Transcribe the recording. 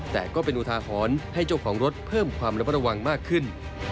แต่ก็เป็นอุทาหรณ์ให้เจ้าของรถเพิ่มความระมัดระวังมากขึ้น